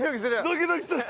ドキドキする！